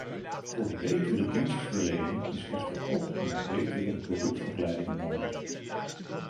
Voor betere dienstverlening is echter ook een betere beroepsopleiding nodig.